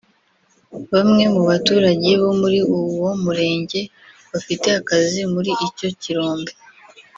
Bamwe mu baturage bo muri uwo murenge bafite akazi muri icyo kirombe